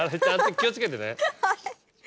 気を付けてね。